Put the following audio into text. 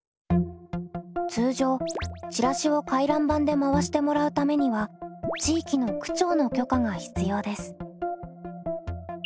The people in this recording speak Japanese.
通常チラシを回覧板で回してもらうためには地域の区長の許可が必要です。